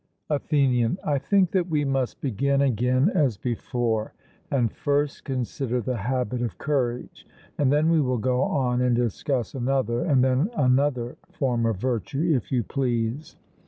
ATHENIAN: I think that we must begin again as before, and first consider the habit of courage; and then we will go on and discuss another and then another form of virtue, if you please.